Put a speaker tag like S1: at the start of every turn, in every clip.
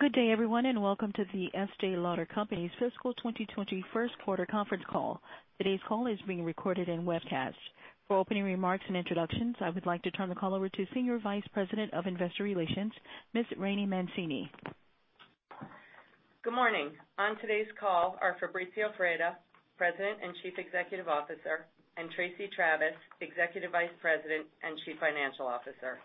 S1: Good day, everyone. Welcome to The Estée Lauder Companies' Fiscal 2020 First Quarter Conference Call. Today's call is being recorded and webcast. For opening remarks and introductions, I would like to turn the call over to Senior Vice President of Investor Relations, Ms. Rainey Mancini.
S2: Good morning. On today's call are Fabrizio Freda, President and Chief Executive Officer, and Tracey Travis, Executive Vice President and Chief Financial Officer.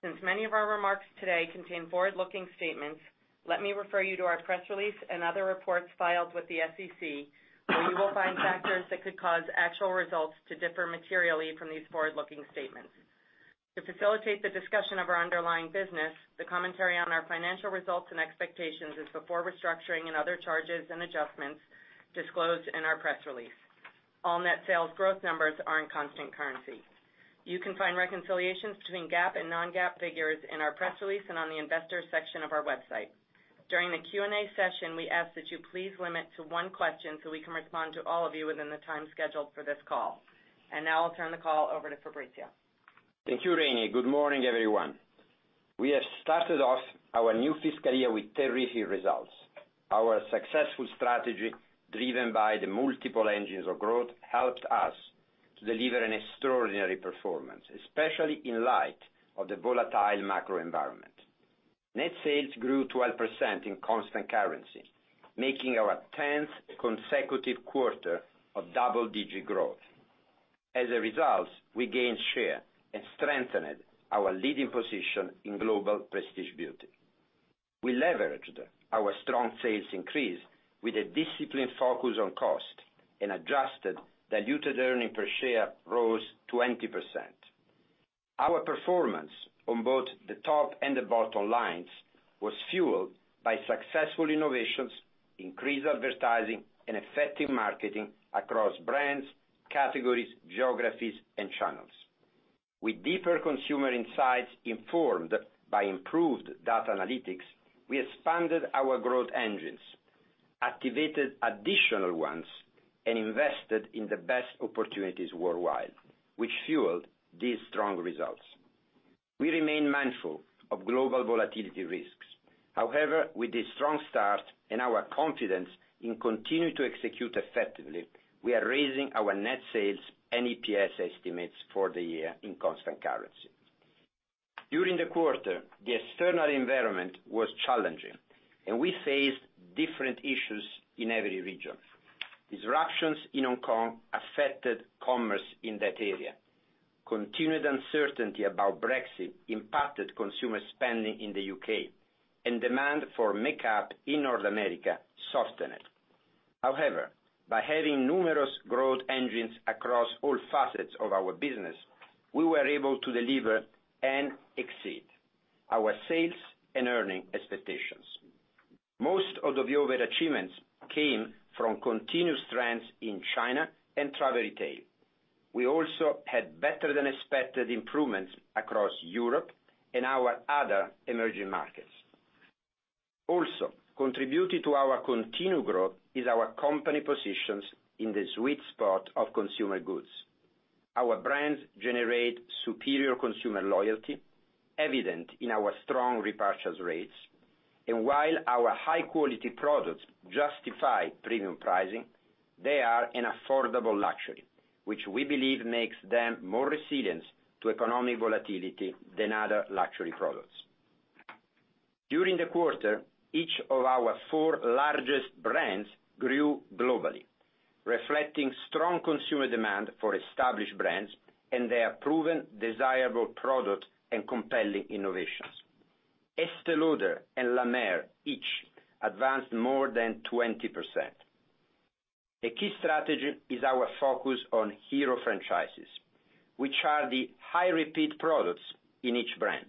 S2: Since many of our remarks today contain forward-looking statements, let me refer you to our press release and other reports filed with the SEC, where you will find factors that could cause actual results to differ materially from these forward-looking statements. To facilitate the discussion of our underlying business, the commentary on our financial results and expectations is before restructuring and other charges and adjustments disclosed in our press release. All net sales growth numbers are in constant currency. You can find reconciliations between GAAP and non-GAAP figures in our press release and on the investors section of our website. During the Q&A session, we ask that you please limit to one question so we can respond to all of you within the time scheduled for this call. Now I'll turn the call over to Fabrizio.
S3: Thank you, Rainey. Good morning, everyone. We have started off our new fiscal year with terrific results. Our successful strategy, driven by the multiple engines of growth, helped us to deliver an extraordinary performance, especially in light of the volatile macro environment. Net sales grew 12% in constant currency, making our 10th consecutive quarter of double-digit growth. As a result, we gained share and strengthened our leading position in global prestige beauty. We leveraged our strong sales increase with a disciplined focus on cost, and adjusted diluted earnings per share rose 20%. Our performance on both the top and the bottom lines was fueled by successful innovations, increased advertising, and effective marketing across brands, categories, geographies, and channels. With deeper consumer insights informed by improved data analytics, we expanded our growth engines, activated additional ones, and invested in the best opportunities worldwide, which fueled these strong results. We remain mindful of global volatility risks. With this strong start and our confidence in continuing to execute effectively, we are raising our net sales and EPS estimates for the year in constant currency. During the quarter, the external environment was challenging, and we faced different issues in every region. Disruptions in Hong Kong affected commerce in that area. Continued uncertainty about Brexit impacted consumer spending in the U.K., and demand for makeup in North America softened. By having numerous growth engines across all facets of our business, we were able to deliver and exceed our sales and earning expectations. Most of the over achievements came from continued strengths in China and travel retail. We also had better than expected improvements across Europe and our other emerging markets. Contributing to our continued growth is our company positions in the sweet spot of consumer goods. Our brands generate superior consumer loyalty, evident in our strong repurchase rates. While our high-quality products justify premium pricing, they are an affordable luxury, which we believe makes them more resilient to economic volatility than other luxury products. During the quarter, each of our four largest brands grew globally, reflecting strong consumer demand for established brands and their proven desirable product and compelling innovations. Estée Lauder and La Mer each advanced more than 20%. A key strategy is our focus on hero franchises, which are the high repeat products in each brand.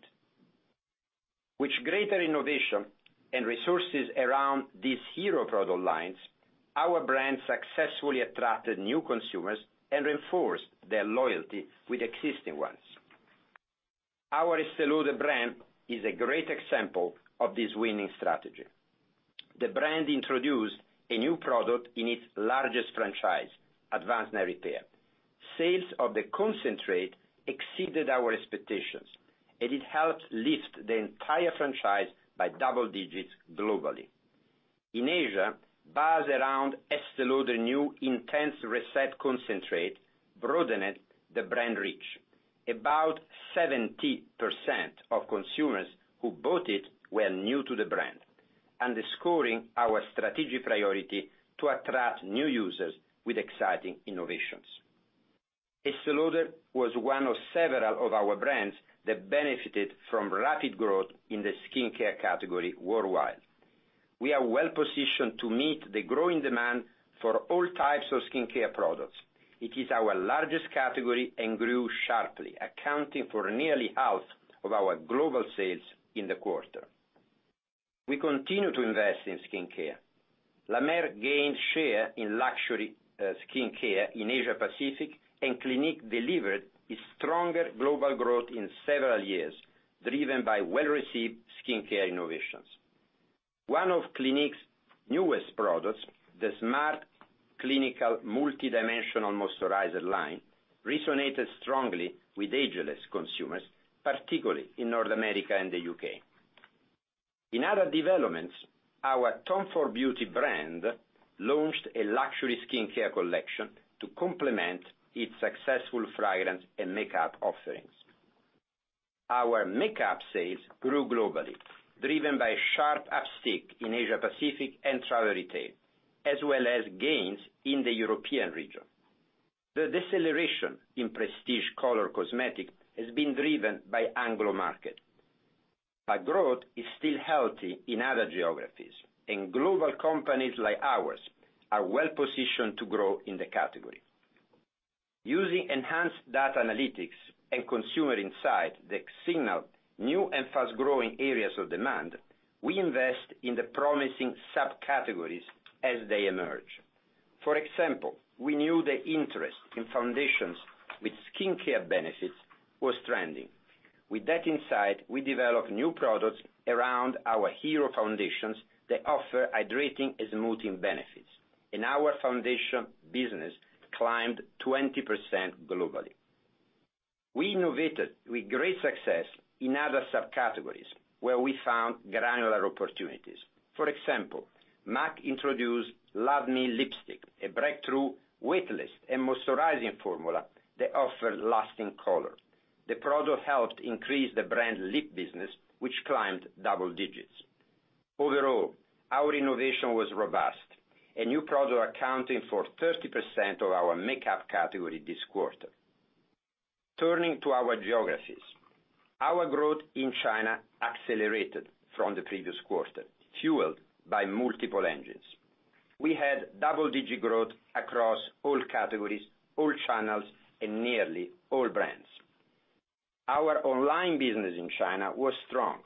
S3: With greater innovation and resources around these hero product lines, our brands successfully attracted new consumers and reinforced their loyalty with existing ones. Our Estée Lauder brand is a great example of this winning strategy. The brand introduced a new product in its largest franchise, Advanced Night Repair. Sales of the concentrate exceeded our expectations, and it helped lift the entire franchise by double digits globally. In Asia, buzz around Estée Lauder new Intense Reset Concentrate broadened the brand reach. About 70% of consumers who bought it were new to the brand, underscoring our strategic priority to attract new users with exciting innovations. Estée Lauder was one of several of our brands that benefited from rapid growth in the skincare category worldwide. We are well positioned to meet the growing demand for all types of skincare products. It is our largest category and grew sharply, accounting for nearly half of our global sales in the quarter. We continue to invest in skincare. La Mer gained share in luxury skincare in Asia Pacific, and Clinique delivered its stronger global growth in several years, driven by well-received skincare innovations. One of Clinique's newest products, the Smart Clinical MD Multi-Dimensional Age Transformer, resonated strongly with ageless consumers, particularly in North America and the U.K. In other developments, our Tom Ford Beauty brand launched a luxury skincare collection to complement its successful fragrance and makeup offerings. Our makeup sales grew globally, driven by a sharp uptick in Asia-Pacific and travel retail, as well as gains in the European region. The deceleration in prestige color cosmetics has been driven by Anglo market. Growth is still healthy in other geographies, and global companies like ours are well-positioned to grow in the category. Using enhanced data analytics and consumer insight that signal new and fast-growing areas of demand, we invest in the promising subcategories as they emerge. For example, we knew the interest in foundations with skincare benefits was trending. With that insight, we developed new products around our hero foundations that offer hydrating and smoothing benefits, and our foundation business climbed 20% globally. We innovated with great success in other subcategories where we found granular opportunities. For example, MAC introduced Love Me Lipstick, a breakthrough weightless and moisturizing formula that offered lasting color. The product helped increase the brand lip business, which climbed double digits. Overall, our innovation was robust, and new product accounting for 30% of our makeup category this quarter. Turning to our geographies. Our growth in China accelerated from the previous quarter, fueled by multiple engines. We had double-digit growth across all categories, all channels, and nearly all brands. Our online business in China was strong.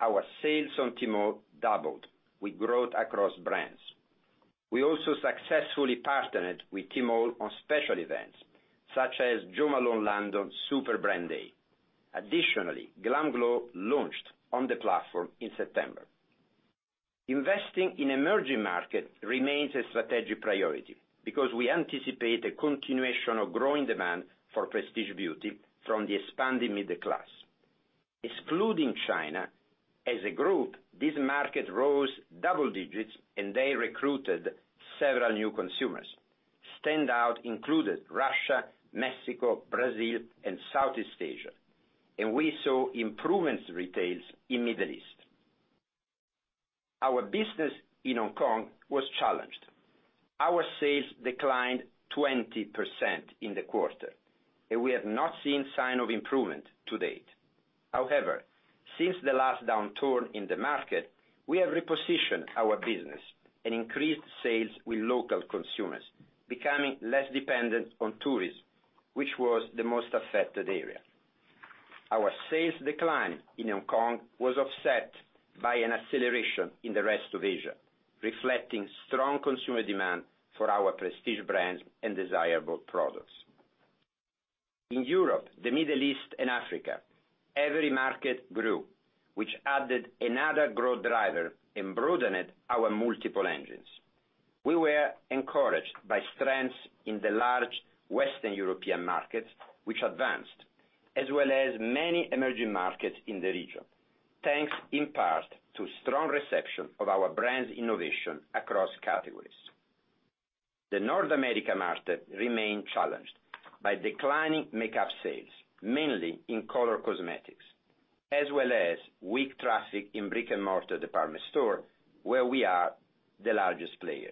S3: Our sales on Tmall doubled with growth across brands. We also successfully partnered with Tmall on special events such as Jo Malone London Super Brand Day. Additionally, GLAMGLOW launched on the platform in September. Investing in emerging market remains a strategic priority because we anticipate a continuation of growing demand for prestige beauty from the expanding middle class. Excluding China, as a group, this market rose double digits, and they recruited several new consumers. Standout included Russia, Mexico, Brazil, and Southeast Asia, and we saw improvements retails in Middle East. Our business in Hong Kong was challenged. Our sales declined 20% in the quarter, and we have not seen sign of improvement to date. However, since the last downturn in the market, we have repositioned our business and increased sales with local consumers, becoming less dependent on tourists, which was the most affected area. Our sales decline in Hong Kong was offset by an acceleration in the rest of Asia, reflecting strong consumer demand for our prestige brands and desirable products. In Europe, the Middle East, and Africa, every market grew, which added another growth driver and broadened our multiple engines. We were encouraged by strengths in the large Western European markets, which advanced, as well as many emerging markets in the region, thanks in part to strong reception of our brand's innovation across categories. The North America market remained challenged by declining makeup sales, mainly in color cosmetics, as well as weak traffic in brick-and-mortar department store, where we are the largest player.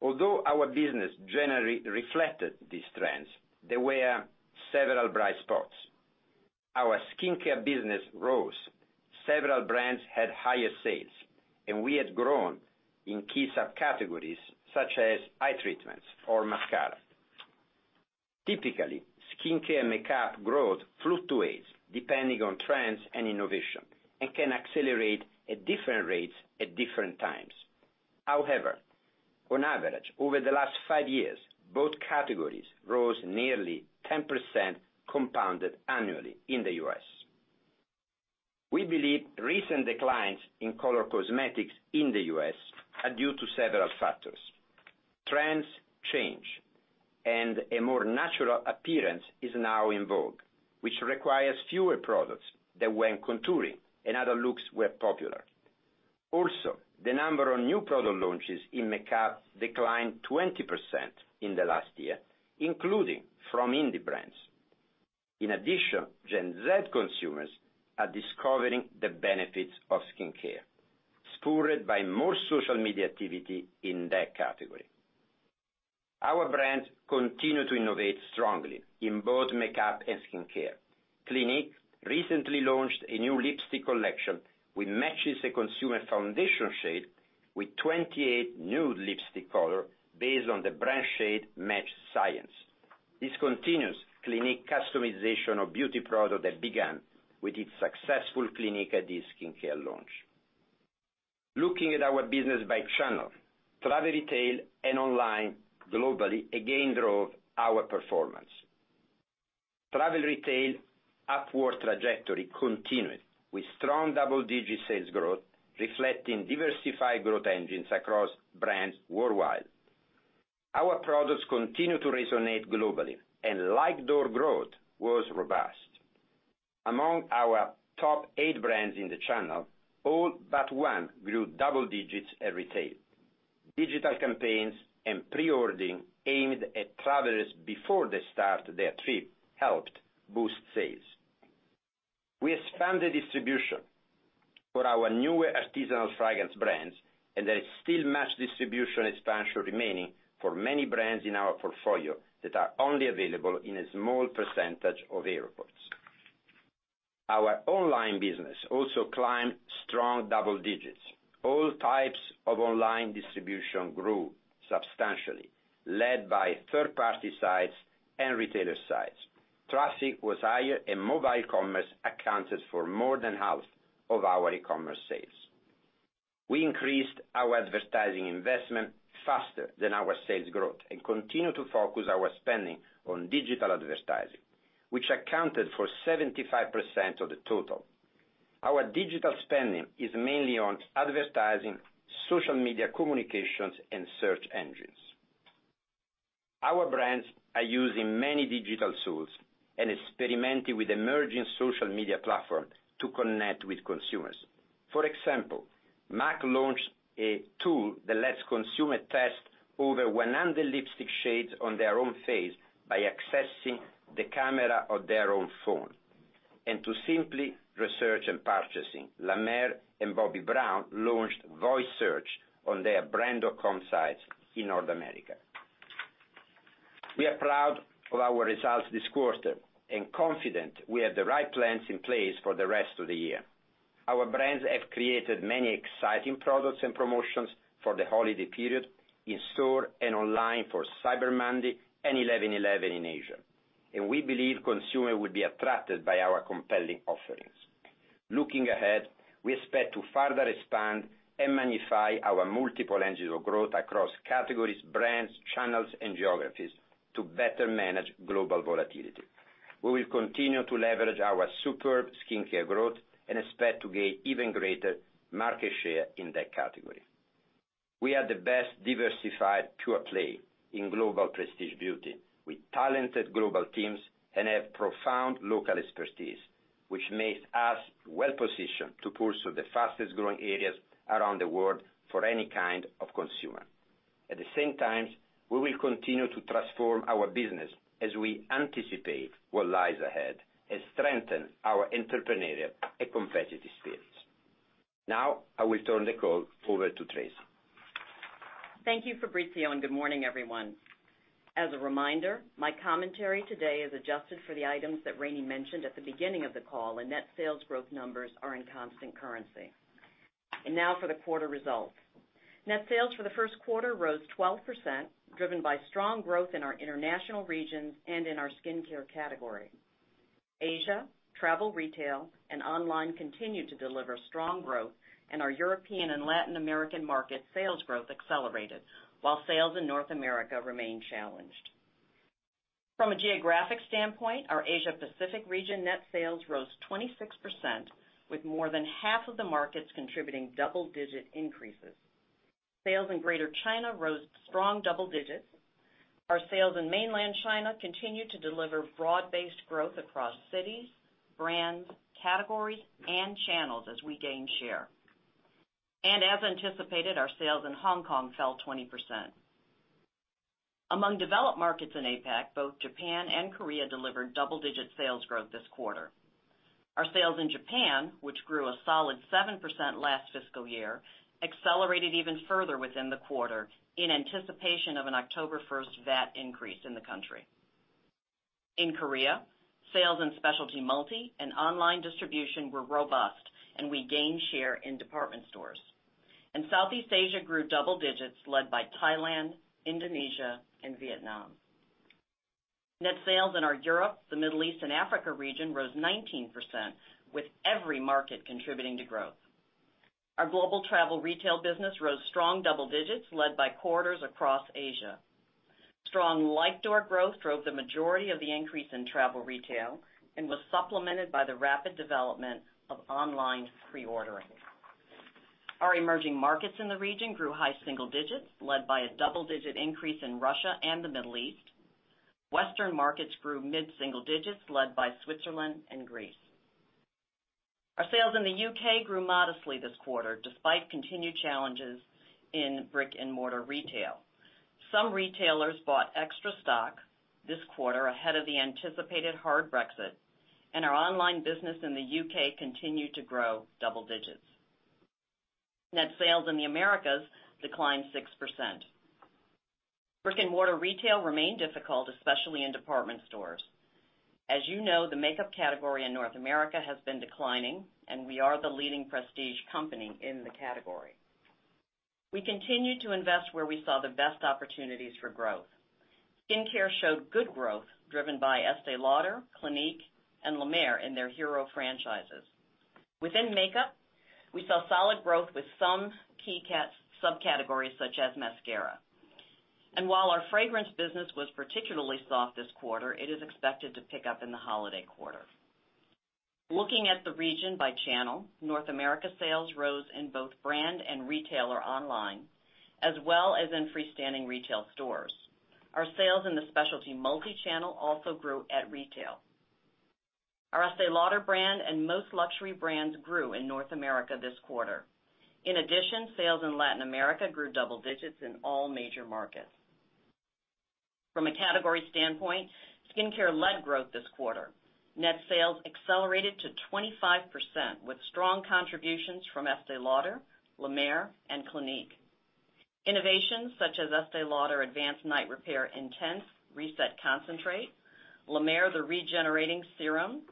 S3: Although our business generally reflected these trends, there were several bright spots. Our skincare business rose. Several brands had higher sales, and we had grown in key subcategories such as eye treatments or mascara. Typically, skincare and makeup growth fluctuates depending on trends and innovation and can accelerate at different rates at different times. However, on average, over the last five years, both categories rose nearly 10% compounded annually in the U.S. We believe recent declines in color cosmetics in the U.S. are due to several factors. Trends change, and a more natural appearance is now in vogue, which requires fewer products than when contouring and other looks were popular. Also, the number of new product launches in makeup declined 20% in the last year, including from indie brands. In addition, Gen Z consumers are discovering the benefits of skincare, spurred by more social media activity in that category. Our brands continue to innovate strongly in both makeup and skincare. Clinique recently launched a new lipstick collection which matches the consumer foundation shade with 28 nude lipstick color based on the brand shade match science. This continues Clinique customization of beauty product that began with its successful Clinique iD Skincare launch. Looking at our business by channel. Travel retail and online globally again drove our performance. Travel retail upward trajectory continued with strong double-digit sales growth, reflecting diversified growth engines across brands worldwide. Our products continue to resonate globally, like-door growth was robust. Among our top eight brands in the channel, all but one grew double digits at retail. Digital campaigns and pre-ordering aimed at travelers before they start their trip helped boost sales. There is still much distribution expansion remaining for many brands in our portfolio that are only available in a small percentage of airports. Our online business also climbed strong double digits. All types of online distribution grew substantially, led by third-party sites and retailer sites. Traffic was higher, and mobile commerce accounted for more than half of our e-commerce sales. We increased our advertising investment faster than our sales growth and continue to focus our spending on digital advertising, which accounted for 75% of the total. Our digital spending is mainly on advertising, social media communications, and search engines. Our brands are using many digital tools and experimenting with emerging social media platform to connect with consumers. For example, MAC launched a tool that lets consumer test over 100 lipstick shades on their own face by accessing the camera of their own phone. To simply research and purchasing, La Mer and Bobbi Brown launched voice search on their brand.com sites in North America. We are proud of our results this quarter and confident we have the right plans in place for the rest of the year. Our brands have created many exciting products and promotions for the holiday period in store and online for Cyber Monday and 11.11 in Asia, and we believe consumer will be attracted by our compelling offerings. Looking ahead, we expect to further expand and magnify our multiple engines of growth across categories, brands, channels, and geographies to better manage global volatility. We will continue to leverage our superb skincare growth and expect to gain even greater market share in that category. We are the best diversified pure play in global prestige beauty with talented global teams and have profound local expertise, which makes us well-positioned to pursue the fastest-growing areas around the world for any kind of consumer. At the same time, we will continue to transform our business as we anticipate what lies ahead and strengthen our entrepreneurial and competitive spirits. Now, I will turn the call over to Tracey.
S4: Thank you, Fabrizio. Good morning, everyone. As a reminder, my commentary today is adjusted for the items that Rainey mentioned at the beginning of the call, and net sales growth numbers are in constant currency. Now for the quarter results. Net sales for the first quarter rose 12%, driven by strong growth in our international regions and in our skincare category. Asia, travel retail, and online continued to deliver strong growth, and our European and Latin American market sales growth accelerated while sales in North America remained challenged. From a geographic standpoint, our Asia Pacific region net sales rose 26%, with more than half of the markets contributing double-digit increases. Sales in Greater China rose strong double digits. Our sales in mainland China continued to deliver broad-based growth across cities, brands, categories, and channels as we gain share. As anticipated, our sales in Hong Kong fell 20%. Among developed markets in APAC, both Japan and Korea delivered double-digit sales growth this quarter. Our sales in Japan, which grew a solid 7% last fiscal year, accelerated even further within the quarter in anticipation of an October 1st VAT increase in the country. In Korea, sales in specialty multi and online distribution were robust, and we gained share in department stores. Southeast Asia grew double digits led by Thailand, Indonesia, and Vietnam. Net sales in our Europe, the Middle East, and Africa region rose 19%, with every market contributing to growth. Our global travel retail business rose strong double digits led by corridors across Asia. Strong like door growth drove the majority of the increase in travel retail and was supplemented by the rapid development of online pre-ordering. Our emerging markets in the region grew high single digits, led by a double-digit increase in Russia and the Middle East. Western markets grew mid-single digits, led by Switzerland and Greece. Our sales in the U.K. grew modestly this quarter, despite continued challenges in brick-and-mortar retail. Some retailers bought extra stock this quarter ahead of the anticipated hard Brexit, and our online business in the U.K. continued to grow double digits. Net sales in the Americas declined 6%. Brick-and-mortar retail remained difficult, especially in department stores. As you know, the makeup category in North America has been declining, and we are the leading prestige company in the category. We continued to invest where we saw the best opportunities for growth. Skincare showed good growth driven by Estée Lauder, Clinique, and La Mer in their hero franchises. Within makeup, we saw solid growth with some key subcategories such as mascara. While our fragrance business was particularly soft this quarter, it is expected to pick up in the holiday quarter. Looking at the region by channel, North America sales rose in both brand and retailer online, as well as in freestanding retail stores. Our sales in the specialty multi-channel also grew at retail. Our Estée Lauder brand and most luxury brands grew in North America this quarter. In addition, sales in Latin America grew double digits in all major markets. From a category standpoint, skincare led growth this quarter. Net sales accelerated to 25%, with strong contributions from Estée Lauder, La Mer, and Clinique. Innovations such as Estée Lauder Advanced Night Repair Intense Reset Concentrate, La Mer The Regenerating Serum,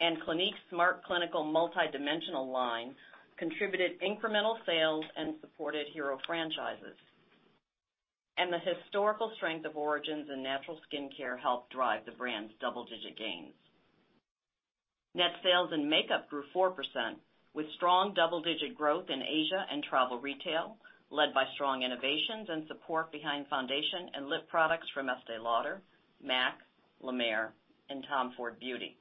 S4: and Clinique's Smart Clinical Multi-Dimensional line contributed incremental sales and supported hero franchises. The historical strength of Origins and natural skincare helped drive the brand's double-digit gains. Net sales in makeup grew 4%, with strong double-digit growth in Asia and travel retail, led by strong innovations and support behind foundation and lip products from Estée Lauder, MAC, La Mer, and Tom Ford Beauty.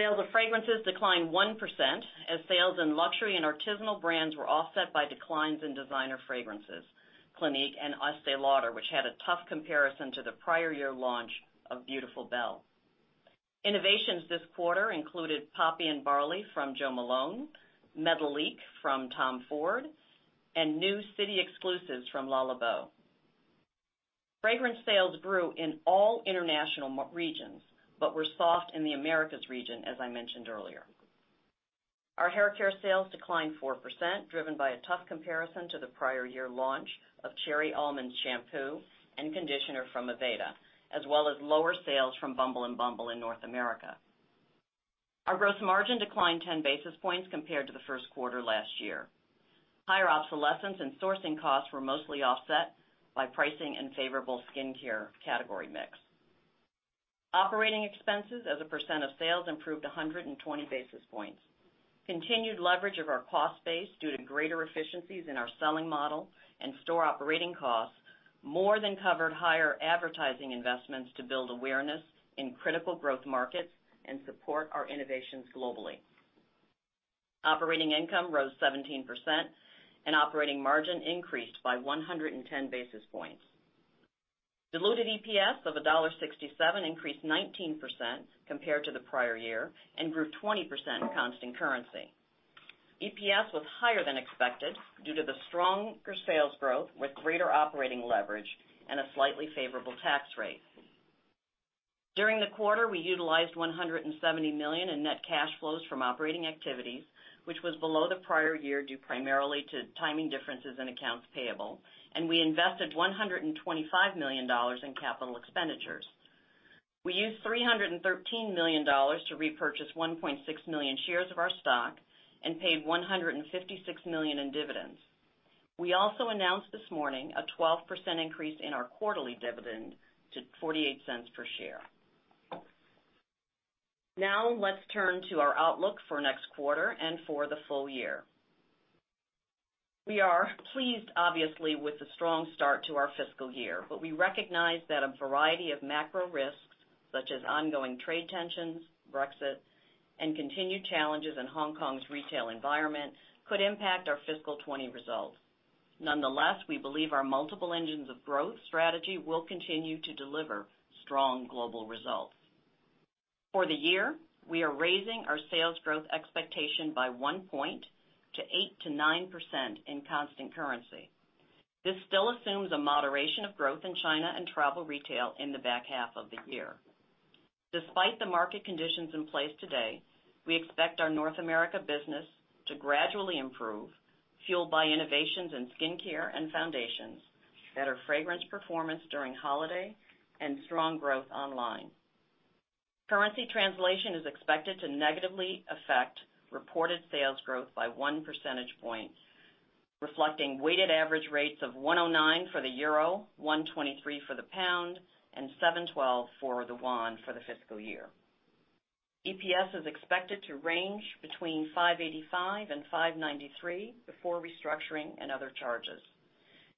S4: Sales of fragrances declined 1% as sales in luxury and artisanal brands were offset by declines in designer fragrances, Clinique and Estée Lauder, which had a tough comparison to the prior year launch of Beautiful Belle. Innovations this quarter included Poppy & Barley from Jo Malone, Métallique from Tom Ford, and new city exclusives from Le Labo. Fragrance sales grew in all international regions but were soft in the Americas region, as I mentioned earlier. Our haircare sales declined 4%, driven by a tough comparison to the prior year launch of Cherry Almond shampoo and conditioner from Aveda, as well as lower sales from Bumble and bumble in North America. Our gross margin declined 10 basis points compared to the first quarter last year. Higher obsolescence and sourcing costs were mostly offset by pricing and favorable skincare category mix. Operating expenses as a percent of sales improved 120 basis points. Continued leverage of our cost base due to greater efficiencies in our selling model and store operating costs more than covered higher advertising investments to build awareness in critical growth markets and support our innovations globally. Operating income rose 17%, and operating margin increased by 110 basis points. Diluted EPS of $1.67 increased 19% compared to the prior year and grew 20% in constant currency. EPS was higher than expected due to the stronger sales growth with greater operating leverage and a slightly favorable tax rate. During the quarter, we utilized $170 million in net cash flows from operating activities, which was below the prior year due primarily to timing differences in accounts payable, and we invested $125 million in capital expenditures. We used $313 million to repurchase 1.6 million shares of our stock and paid $156 million in dividends. We also announced this morning a 12% increase in our quarterly dividend to $0.48 per share. Let's turn to our outlook for next quarter and for the full year. We are pleased, obviously, with the strong start to our fiscal year, we recognize that a variety of macro risks, such as ongoing trade tensions, Brexit, and continued challenges in Hong Kong's retail environment could impact our fiscal 2020 results. Nonetheless, we believe our multiple engines of growth strategy will continue to deliver strong global results. For the year, we are raising our sales growth expectation by one point to 8%-9% in constant currency. This still assumes a moderation of growth in China and travel retail in the back half of the year. Despite the market conditions in place today, we expect our North America business to gradually improve, fueled by innovations in skincare and foundations, better fragrance performance during holiday, and strong growth online. Currency translation is expected to negatively affect reported sales growth by one percentage point, reflecting weighted average rates of 109 for the euro, 123 for the pound, and 712 for the yuan for the fiscal year. EPS is expected to range between $5.85 and $5.93 before restructuring and other charges.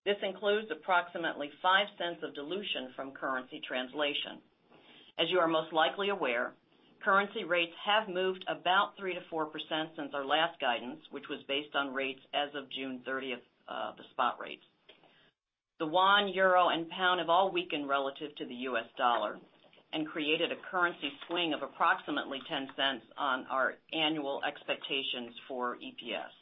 S4: This includes approximately $0.05 of dilution from currency translation. As you are most likely aware, currency rates have moved about 3%-4% since our last guidance, which was based on rates as of June 30th, the spot rates. The yuan, euro, and pound have all weakened relative to the US dollar and created a currency swing of approximately $0.10 on our annual expectations for EPS.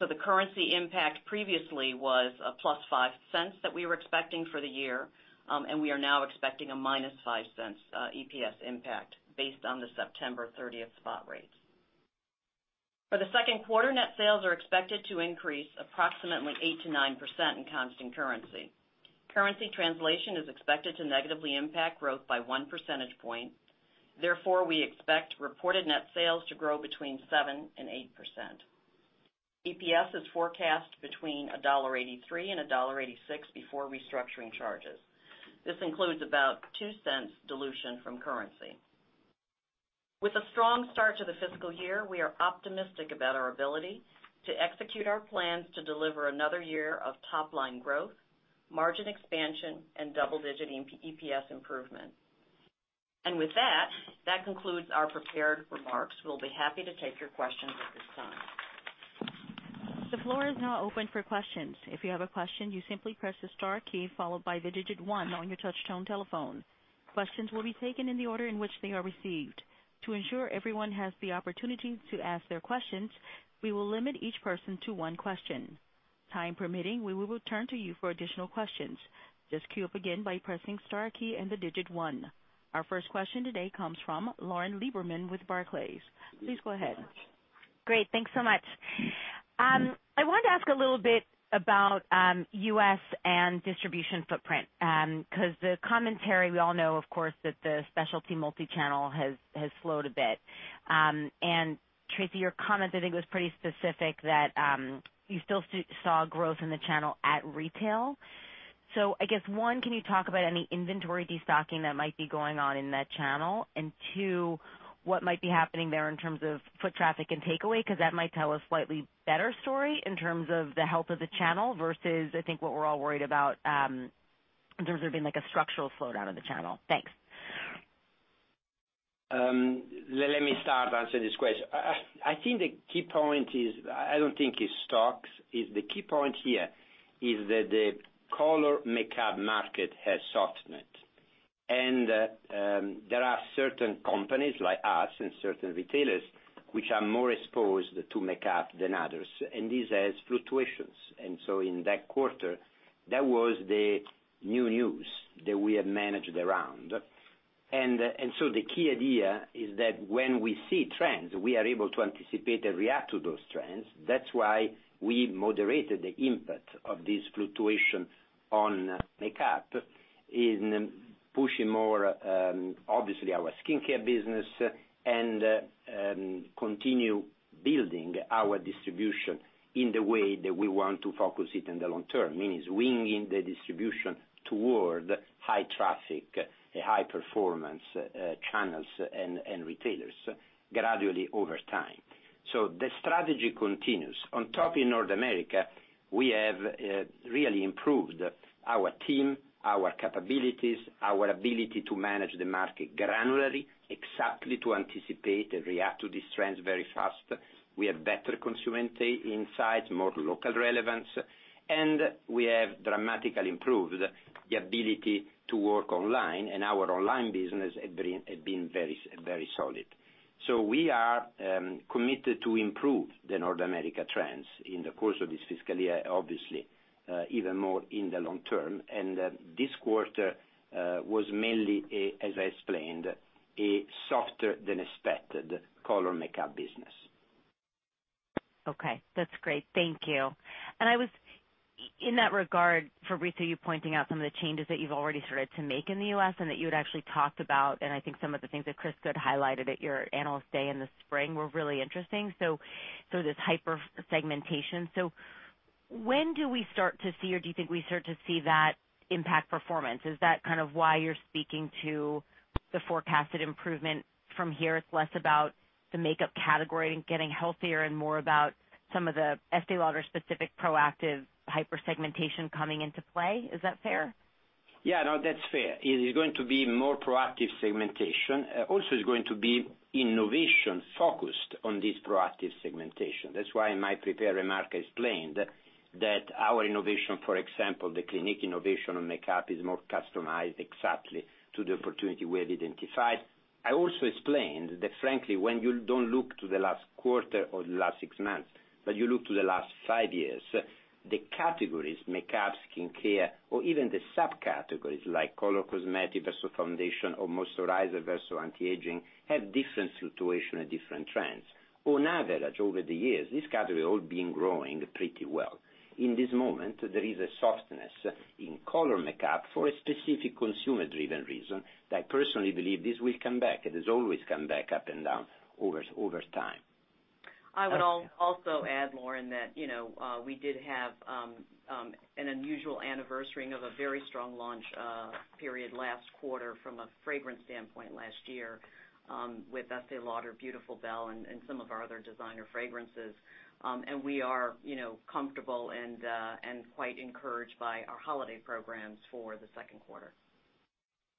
S4: The currency impact previously was a +$0.05 that we were expecting for the year, and we are now expecting a -$0.05 EPS impact based on the September 30th spot rates. For the second quarter, net sales are expected to increase approximately 8%-9% in constant currency. Currency translation is expected to negatively impact growth by one percentage point. We expect reported net sales to grow between 7% and 8%. EPS is forecast between $1.83 and $1.86 before restructuring charges. This includes about $0.02 dilution from currency. With a strong start to the fiscal year, we are optimistic about our ability to execute our plans to deliver another year of top-line growth, margin expansion, and double-digit EPS improvement. With that concludes our prepared remarks. We'll be happy to take your questions at this time.
S1: The floor is now open for questions. If you have a question, you simply press the star key followed by the digit 1 on your touchtone telephone. Questions will be taken in the order in which they are received. To ensure everyone has the opportunity to ask their questions, we will limit each person to 1 question. Time permitting, we will return to you for additional questions. Just queue up again by pressing the star key and the digit 1. Our first question today comes from Lauren Lieberman with Barclays. Please go ahead.
S5: Great. Thanks so much. I wanted to ask a little bit about U.S. and distribution footprint, because the commentary, we all know, of course, that the specialty multi-channel has slowed a bit. Tracey, your comment, I think, was pretty specific that you still saw growth in the channel at retail. I guess, one, can you talk about any inventory destocking that might be going on in that channel? Two, what might be happening there in terms of foot traffic and takeaway? That might tell a slightly better story in terms of the health of the channel versus, I think, what we're all worried about in terms of there being a structural slowdown of the channel. Thanks.
S3: Let me start to answer this question. I think the key point is, I don't think it's stocks. The key point here is that the color makeup market has softened. There are certain companies like us and certain retailers which are more exposed to makeup than others, and this has fluctuations. In that quarter, that was the new news that we have managed around. The key idea is that when we see trends, we are able to anticipate and react to those trends. That's why we moderated the impact of this fluctuation on makeup in pushing more, obviously our skincare business, and continue building our distribution in the way that we want to focus it in the long term. Meaning swinging the distribution toward high traffic, high performance channels and retailers gradually over time. The strategy continues. On top in North America, we have really improved our team, our capabilities, our ability to manage the market granularly, exactly to anticipate and react to these trends very fast. We have better consumer insights, more local relevance, and we have dramatically improved the ability to work online, and our online business had been very solid. We are committed to improve the North America trends in the course of this fiscal year, obviously, even more in the long term. This quarter was mainly, as I explained, a softer than expected color makeup business.
S5: Okay. That's great. Thank you. In that regard, Fabrizio, you pointing out some of the changes that you've already started to make in the U.S. and that you had actually talked about, and I think some of the things that Chris Good highlighted at your Analyst Day in the spring were really interesting, so this hyper segmentation. When do we start to see, or do you think we start to see that impact performance? Is that kind of why you're speaking to the forecasted improvement from here? It's less about the makeup category and getting healthier and more about some of the Estée Lauder specific proactive hyper segmentation coming into play. Is that fair?
S3: Yeah, no, that's fair. It is going to be more proactive segmentation. Also, it's going to be innovation focused on this proactive segmentation. That's why in my prepared remarks, I explained that our innovation, for example, the Clinique innovation on makeup, is more customized exactly to the opportunity we have identified. I also explained that, frankly, when you don't look to the last quarter or the last six months, but you look to the last five years, the categories, makeup, skincare, or even the subcategories like color cosmetic versus foundation or moisturizer versus anti-aging, have different situations and different trends. On average, over the years, this category all been growing pretty well. In this moment, there is a softness in color makeup for a specific consumer-driven reason that I personally believe this will come back. It has always come back up and down over time.
S4: I would also add, Lauren, that we did have an unusual anniversary of a very strong launch period last quarter from a fragrance standpoint last year with Estée Lauder Beautiful Belle and some of our other designer fragrances. We are comfortable and quite encouraged by our holiday programs for the second quarter.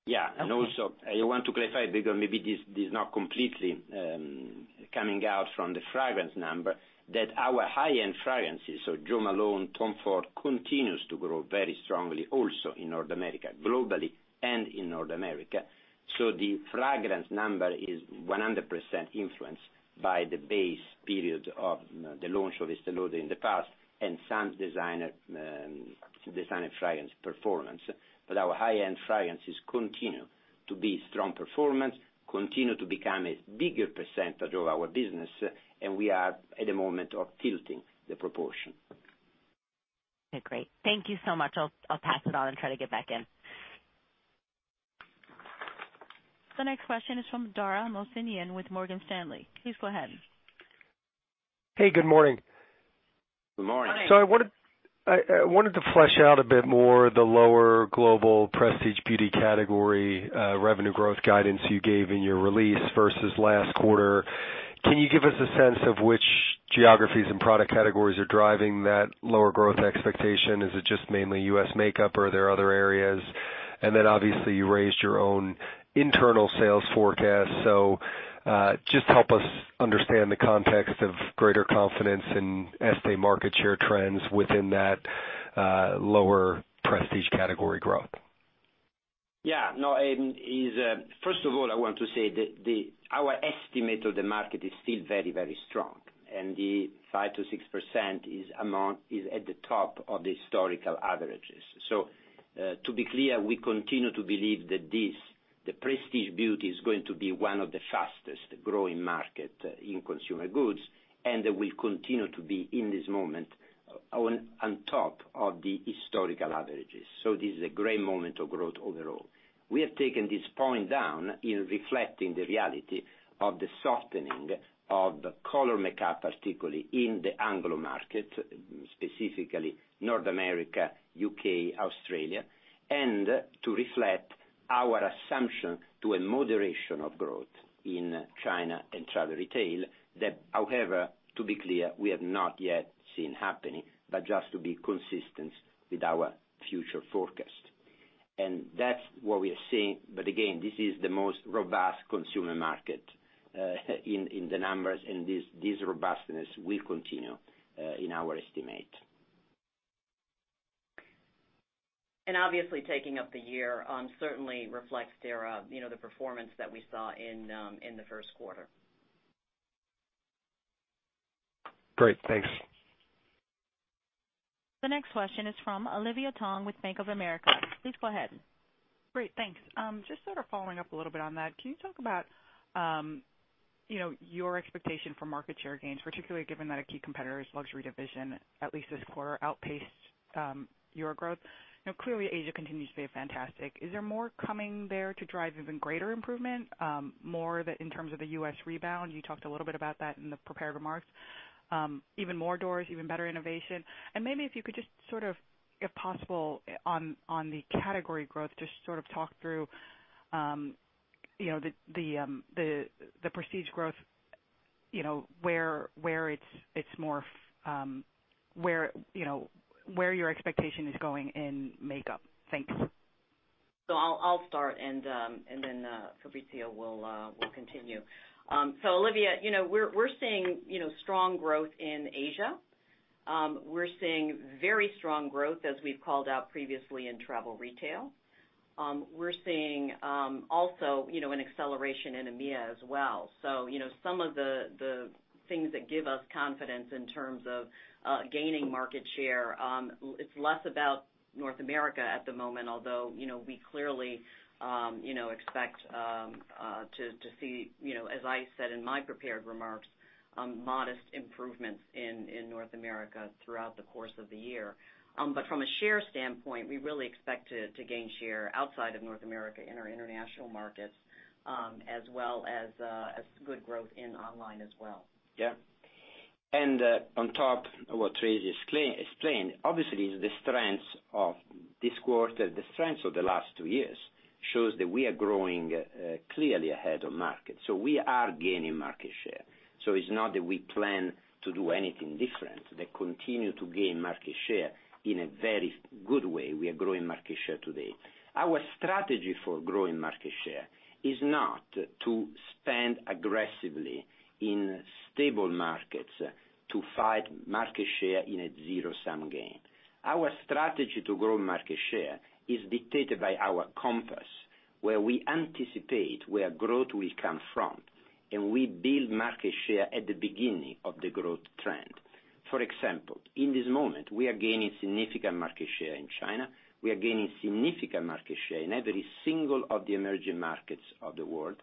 S3: Yeah. Also, I want to clarify, because maybe this is not completely coming out from the fragrance number, that our high-end fragrances, so Jo Malone, Tom Ford, continues to grow very strongly also in North America, globally and in North America. The fragrance number is 100% influenced by the base period of the launch of Estée Lauder in the past and some designer fragrance performance. Our high-end fragrances continue to be strong performance, continue to become a bigger percentage of our business, and we are at a moment of tilting the proportion.
S5: Okay, great. Thank you so much. I'll pass it on and try to get back in.
S1: The next question is from Dara Mohsenian with Morgan Stanley. Please go ahead.
S6: Hey, good morning.
S3: Good morning.
S6: I wanted to flesh out a bit more the lower global prestige beauty category revenue growth guidance you gave in your release versus last quarter. Can you give us a sense of which geographies and product categories are driving that lower growth expectation? Is it just mainly U.S. makeup, or are there other areas? Obviously, you raised your own internal sales forecast. Just help us understand the context of greater confidence in Estée market share trends within that lower prestige category growth.
S3: Yeah. First of all, I want to say that our estimate of the market is still very strong, and the 5%-6% is at the top of the historical averages. To be clear, we continue to believe that the prestige beauty is going to be one of the fastest-growing market in consumer goods, and that we continue to be in this moment on top of the historical averages. This is a great moment of growth overall. We have taken this point down in reflecting the reality of the softening of color makeup, particularly in the Anglo market, specifically North America, U.K., Australia, and to reflect our assumption to a moderation of growth in China and travel retail. That, however, to be clear, we have not yet seen happening, but just to be consistent with our future forecast. That's what we are seeing. Again, this is the most robust consumer market in the numbers, and this robustness will continue in our estimate.
S4: Obviously taking up the year certainly reflects the performance that we saw in the first quarter.
S6: Great. Thanks.
S1: The next question is from Olivia Tong with Bank of America. Please go ahead.
S7: Great, thanks. Just sort of following up a little bit on that, can you talk about your expectation for market share gains, particularly given that a key competitor's luxury division, at least this quarter, outpaced your growth? Clearly Asia continues to be fantastic. Is there more coming there to drive even greater improvement, more in terms of the U.S. rebound? You talked a little bit about that in the prepared remarks. Even more doors, even better innovation? Maybe if you could just sort of, if possible, on the category growth, just sort of talk through the prestige growth, where your expectation is going in makeup. Thanks.
S4: I'll start and then Fabrizio will continue. Olivia, we're seeing strong growth in Asia. We're seeing very strong growth, as we've called out previously, in travel retail. We're seeing also an acceleration in EMEA as well. Some of the things that give us confidence in terms of gaining market share, it's less about North America at the moment, although, we clearly expect to see, as I said in my prepared remarks, modest improvements in North America throughout the course of the year. From a share standpoint, we really expect to gain share outside of North America in our international markets, as well as good growth in online as well.
S3: Yeah. On top of what Tracey explained, obviously the strength of this quarter, the strength of the last two years shows that we are growing clearly ahead of market. We are gaining market share. It's not that we plan to do anything different than continue to gain market share in a very good way. We are growing market share today. Our strategy for growing market share is not to spend aggressively in stable markets to fight market share in a zero-sum game. Our strategy to grow market share is dictated by our compass, where we anticipate where growth will come from, and we build market share at the beginning of the growth trend. For example, in this moment, we are gaining significant market share in China. We are gaining significant market share in every single of the emerging markets of the world.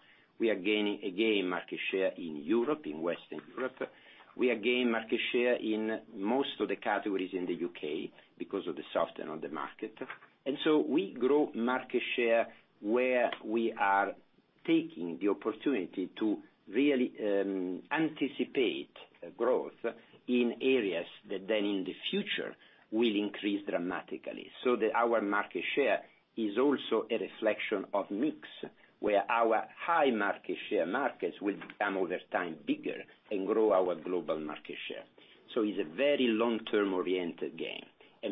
S3: We are gaining, again, market share in Europe, in Western Europe. We are gaining market share in most of the categories in the U.K. because of the soften on the market. We grow market share where we are taking the opportunity to really anticipate growth in areas that then in the future will increase dramatically, so that our market share is also a reflection of mix, where our high market share markets will become, over time, bigger and grow our global market share. It's a very long-term oriented game.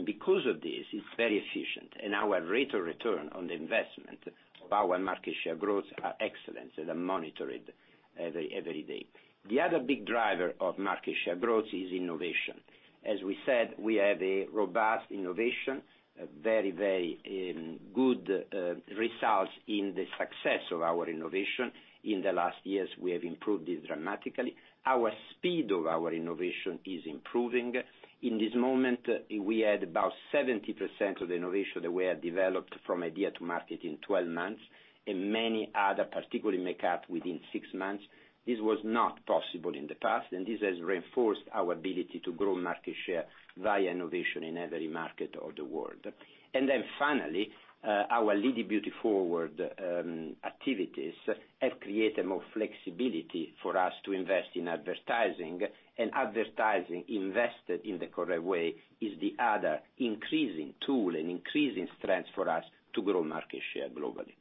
S3: Because of this, it's very efficient, and our rate of return on the investment of our market share growth are excellent and are monitored every day. The other big driver of market share growth is innovation. As we said, we have a robust innovation, very good results in the success of our innovation. In the last years, we have improved this dramatically. Our speed of our innovation is improving. In this moment, we had about 70% of the innovation that we have developed from idea to market in 12 months, and many other, particularly makeup, within six months. This was not possible in the past, and this has reinforced our ability to grow market share via innovation in every market of the world. Finally, our Leading Beauty Forward activities have created more flexibility for us to invest in advertising, and advertising invested in the correct way is the other increasing tool and increasing strength for us to grow market share globally.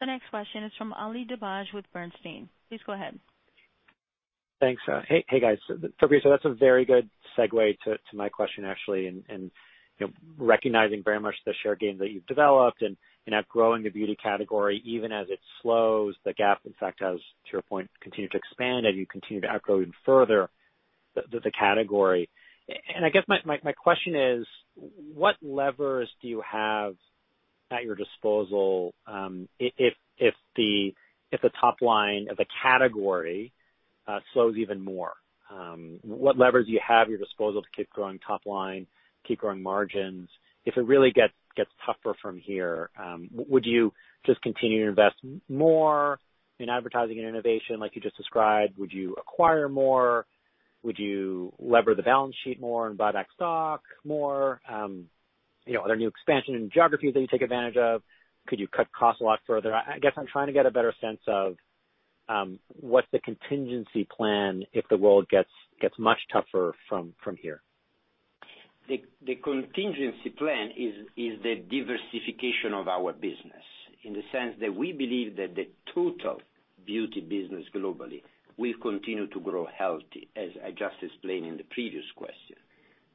S1: The next question is from Ali Dibadj with Bernstein. Please go ahead.
S8: Thanks. Hey, guys. Fabrizio, that's a very good segue to my question, actually, recognizing very much the share gain that you've developed and outgrowing the beauty category, even as it slows the gap, in fact, as to your point, continue to expand as you continue to outgrow even further the category. I guess my question is, what levers do you have at your disposal if the top line of the category slows even more? What levers do you have at your disposal to keep growing top line, keep growing margins? If it really gets tougher from here, would you just continue to invest more in advertising and innovation like you just described? Would you acquire more? Would you lever the balance sheet more and buy back stock more? Are there new expansion and geographies that you take advantage of? Could you cut costs a lot further? I guess I'm trying to get a better sense of what's the contingency plan if the world gets much tougher from here.
S3: The contingency plan is the diversification of our business in the sense that we believe that the total beauty business globally will continue to grow healthy, as I just explained in the previous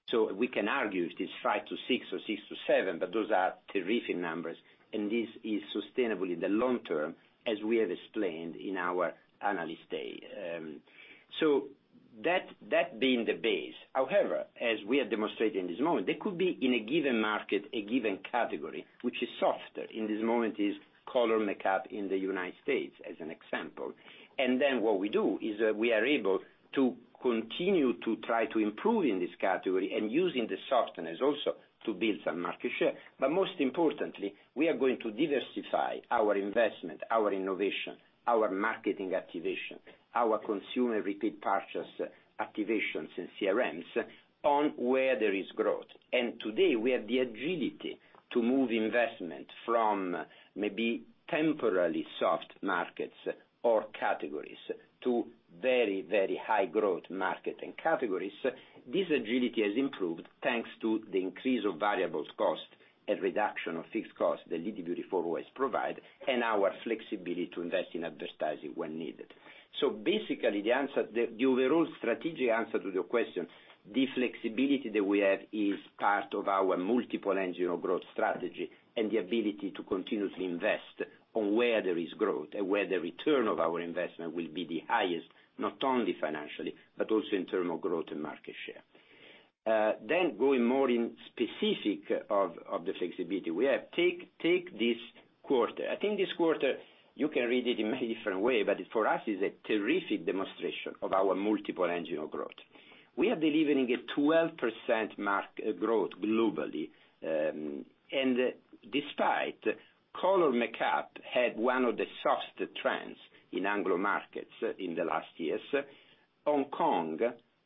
S3: question. We can argue if it is 5%-6% or 6%-7%, but those are terrific numbers, and this is sustainable in the long term, as we have explained in our Analyst Day. That being the base, however, as we have demonstrated in this moment, there could be, in a given market, a given category which is softer. In this moment is color makeup in the U.S., as an example. What we do is we are able to continue to try to improve in this category and using the softness also to build some market share. Most importantly, we are going to diversify our investment, our innovation, our marketing activation, our consumer repeat purchase activations and CRMs on where there is growth. Today, we have the agility to move investment from maybe temporarily soft markets or categories to very high-growth market and categories. This agility has improved thanks to the increase of variable costs and reduction of fixed costs that Leading Beauty Forward provides, and our flexibility to invest in advertising when needed. Basically, the overall strategic answer to your question, the flexibility that we have is part of our multiple engine of growth strategy and the ability to continuously invest on where there is growth and where the return of our investment will be the highest, not only financially, but also in terms of growth and market share. Going more in specific of the flexibility we have, take this quarter. I think this quarter, you can read it in many different ways. For us, it's a terrific demonstration of our multiple engines of growth. We are delivering 12% growth globally. Despite color makeup had one of the soft trends in Anglo markets in the last years, Hong Kong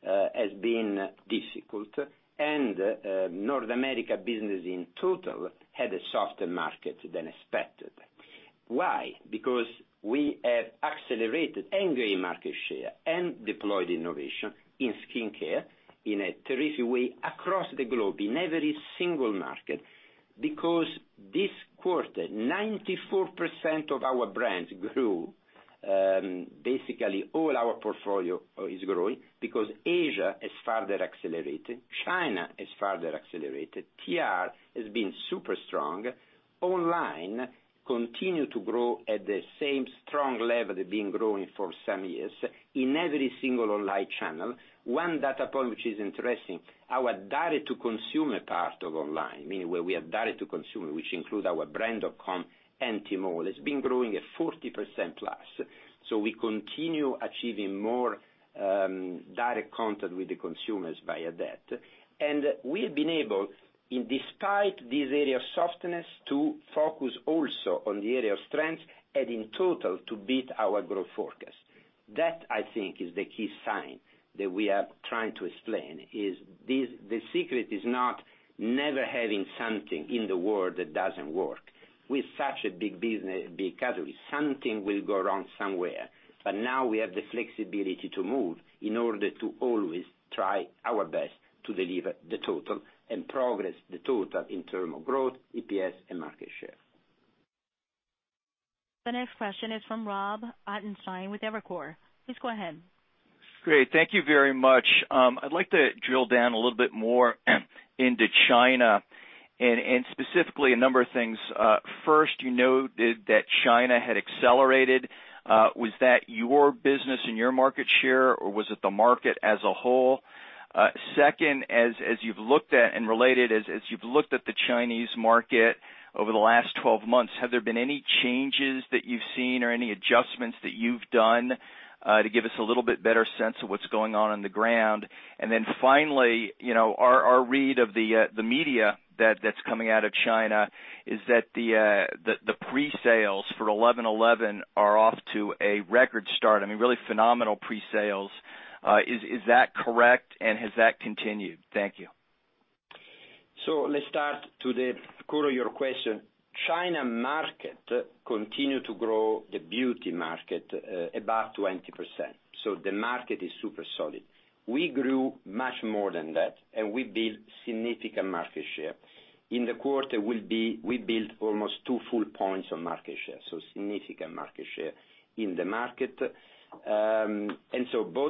S3: has been difficult, North America business in total had a softer market than expected. Why? We have accelerated and gained market share and deployed innovation in skincare in a terrific way across the globe in every single market. This quarter, 94% of our brands grew. Basically, all our portfolio is growing because Asia has further accelerated, China has further accelerated. TR has been super strong. Online continues to grow at the same strong level they've been growing for some years in every single online channel. One data point which is interesting, our direct-to-consumer part of online, meaning where we are direct to consumer, which include our brand.com and Tmall, has been growing at 40% plus. We continue achieving more direct contact with the consumers via that. We've been able, despite this area of softness, to focus also on the area of strength and in total, to beat our growth forecast. That, I think, is the key sign that we are trying to explain, is the secret is not never having something in the world that doesn't work. With such a big business, big category, something will go wrong somewhere. Now we have the flexibility to move in order to always try our best to deliver the total and progress the total in term of growth, EPS, and market share.
S1: The next question is from Robert Ottenstein with Evercore. Please go ahead.
S9: Great. Thank you very much. I'd like to drill down a little bit more into China and specifically a number of things. First, you noted that China had accelerated. Was that your business and your market share, or was it the market as a whole? Second, as you've looked at and related, as you've looked at the Chinese market over the last 12 months, have there been any changes that you've seen or any adjustments that you've done to give us a little bit better sense of what's going on on the ground? Finally, our read of the media that's coming out of China is that the pre-sales for 11.11 are off to a record start. I mean, really phenomenal pre-sales. Is that correct, and has that continued? Thank you.
S3: Let's start to the core of your question. China market continue to grow. The beauty market about 20%. The market is super solid. We grew much more than that, and we built significant market share. In the quarter, we built almost two full points of market share, so significant market share in the market. Both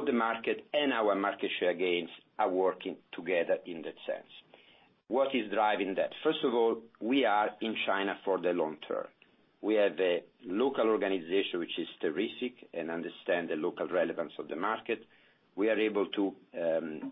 S3: the market and our market share gains are working together in that sense. What is driving that? First of all, we are in China for the long term. We have a local organization which is terrific and understand the local relevance of the market. We are able to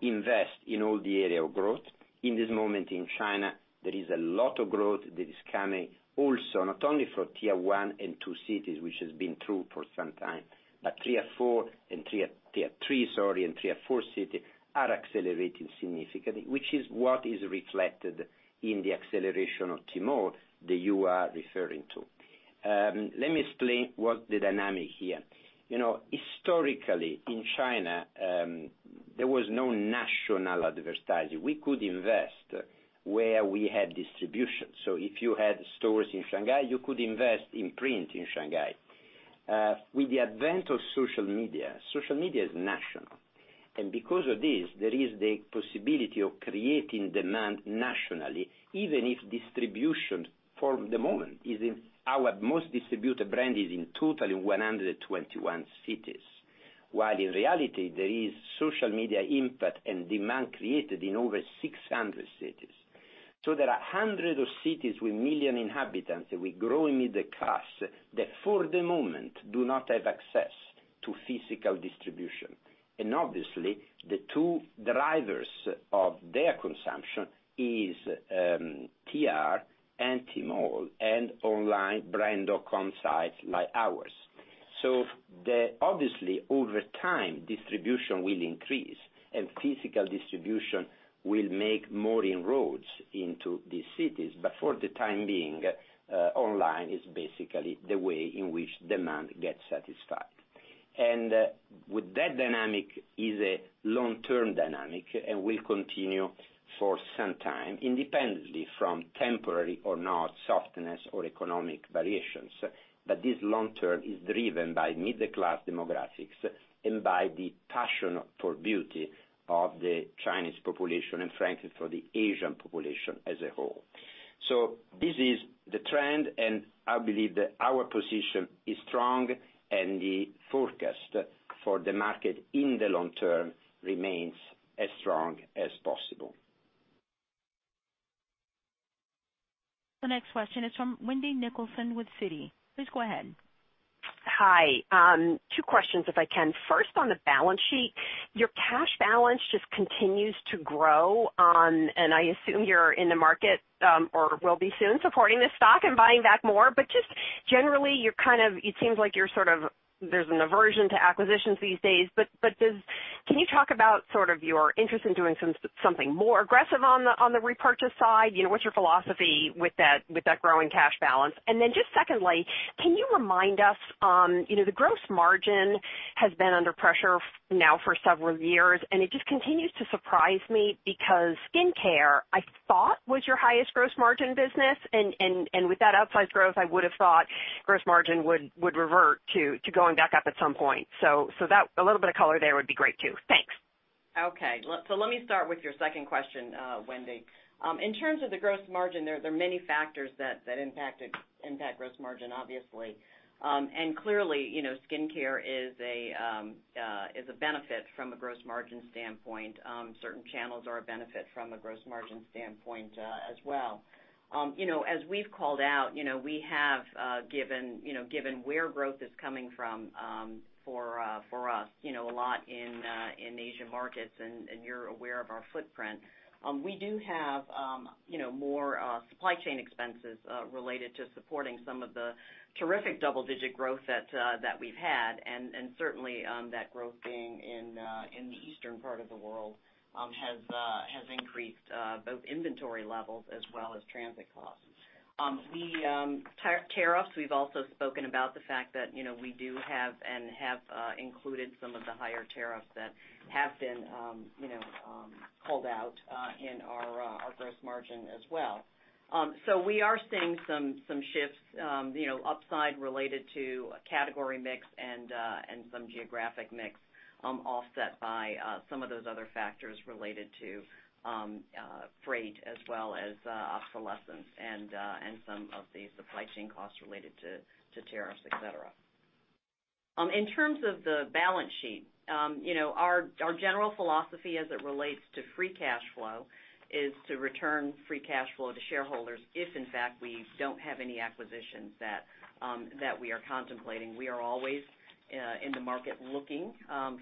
S3: invest in all the area of growth. In this moment in China, there is a lot of growth that is coming also, not only for tier 1 and 2 cities, which has been true for some time, but tier 3, sorry, and tier 4 city are accelerating significantly, which is what is reflected in the acceleration of Tmall that you are referring to. Let me explain what the dynamic here. Historically, in China, there was no national advertising. We could invest where we had distribution. If you had stores in Shanghai, you could invest in print in Shanghai. With the advent of social media, social media is national. Because of this, there is the possibility of creating demand nationally, even if distribution for the moment, our most distributed brand is in total in 121 cities, while in reality, there is social media impact and demand created in over 600 cities. There are hundreds of cities with million inhabitants with growing middle class that for the moment do not have access to physical distribution. Obviously the two drivers of their consumption is TR and Tmall and online brand.com sites like ours. Obviously, over time, distribution will increase, and physical distribution will make more inroads into these cities. For the time being, online is basically the way in which demand gets satisfied. With that dynamic is a long-term dynamic and will continue for some time, independently from temporary or not softness or economic variations. This long term is driven by middle-class demographics and by the passion for beauty of the Chinese population, and frankly, for the Asian population as a whole. This is the trend, and I believe that our position is strong and the forecast for the market in the long term remains as strong as possible.
S1: The next question is from Wendy Nicholson with Citi. Please go ahead.
S10: Hi. Two questions, if I can. First, on the balance sheet, your cash balance just continues to grow, and I assume you're in the market, or will be soon, supporting the stock and buying back more. Just generally, it seems like there's an aversion to acquisitions these days. Can you talk about your interest in doing something more aggressive on the repurchase side? What's your philosophy with that growing cash balance? Then just secondly, can you remind us, the gross margin has been under pressure now for several years, and it just continues to surprise me because skincare, I thought, was your highest gross margin business. With that outsized growth, I would have thought gross margin would revert to going back up at some point. A little bit of color there would be great too. Thanks.
S4: Okay. Let me start with your second question, Wendy. In terms of the gross margin, there are many factors that impact gross margin, obviously. Clearly, skincare is a benefit from a gross margin standpoint. Certain channels are a benefit from a gross margin standpoint as well. As we've called out, we have given where growth is coming from for us, a lot in Asian markets, and you're aware of our footprint. We do have more supply chain expenses related to supporting some of the terrific double-digit growth that we've had. Certainly, that growth being in the eastern part of the world has increased both inventory levels as well as transit costs. Tariffs, we've also spoken about the fact that we do have and have included some of the higher tariffs that have been called out in our gross margin as well.
S3: We are seeing some shifts upside related to category mix and some geographic mix offset by some of those other factors related to freight as well as obsolescence and some of the supply chain costs related to tariffs, et cetera. In terms of the balance sheet, our general philosophy as it relates to free cash flow is to return free cash flow to shareholders if, in fact, we don't have any acquisitions that we are contemplating. We are always market looking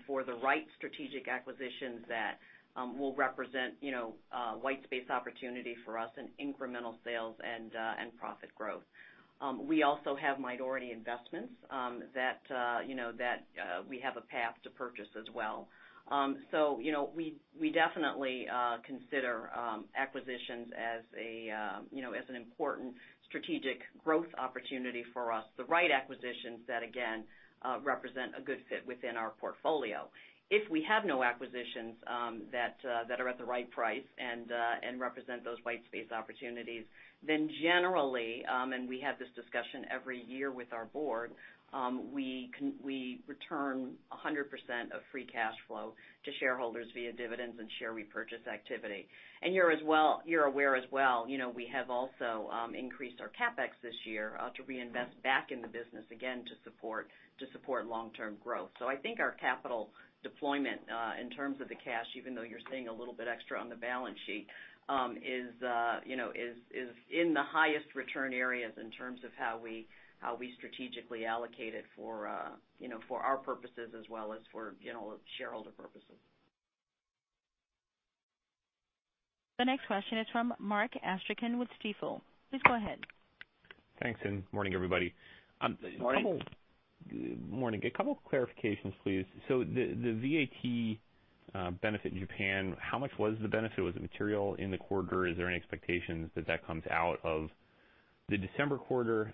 S3: for the right strategic acquisitions that will represent white space opportunity for us and incremental sales and profit growth. We also have minority investments that we have a path to purchase as well. We definitely consider acquisitions as an important strategic growth opportunity for us, the right acquisitions that, again, represent a good fit within our portfolio. If we have no acquisitions that are at the right price and represent those white space opportunities, then generally, and we have this discussion every year with our board, we return 100% of free cash flow to shareholders via dividends and share repurchase activity. You're aware as well, we have also increased our CapEx this year to reinvest back in the business again to support long-term growth. I think our capital deployment, in terms of the cash, even though you're seeing a little bit extra on the balance sheet, is in the highest return areas in terms of how we strategically allocate it for our purposes as well as for shareholder purposes.
S1: The next question is from Mark Astrachan with Stifel. Please go ahead.
S11: Thanks. Morning, everybody.
S4: Morning.
S11: Morning. A couple of clarifications, please. The VAT benefit in Japan, how much was the benefit? Was it material in the quarter? Is there any expectations that that comes out of the December quarter?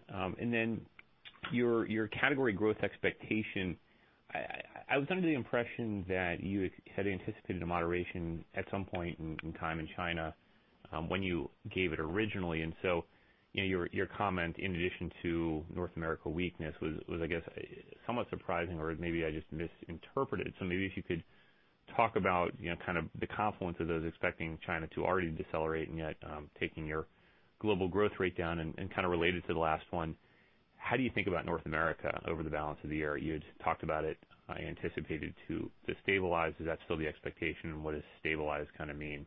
S11: Your category growth expectation, I was under the impression that you had anticipated a moderation at some point in time in China when you gave it originally. Your comment, in addition to North America weakness, was, I guess, somewhat surprising or maybe I just misinterpreted. Maybe if you could talk about the confluence of those expecting China to already decelerate and yet taking your global growth rate down and kind of related to the last one, how do you think about North America over the balance of the year? You had talked about it anticipated to stabilize. Is that still the expectation? What does stabilize kind of mean?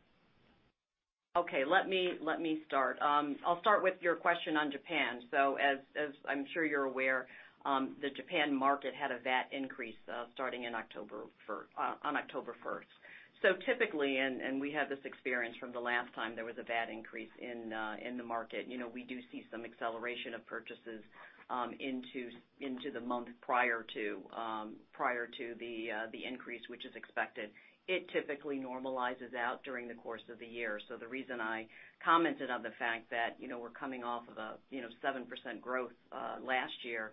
S4: Okay. Let me start. I'll start with your question on Japan. As I'm sure you're aware, the Japan market had a VAT increase starting on October 1st. Typically, and we had this experience from the last time there was a VAT increase in the market, we do see some acceleration of purchases into the month prior to the increase, which is expected. It typically normalizes out during the course of the year. The reason I commented on the fact that we're coming off of a 7% growth last year